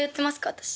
私。